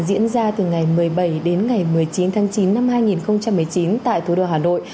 diễn ra từ ngày một mươi bảy đến ngày một mươi chín tháng chín năm hai nghìn một mươi chín tại thủ đô hà nội